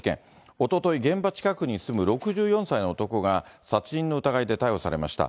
おととい、現場近くに住む６４歳の男が、殺人の疑いで逮捕されました。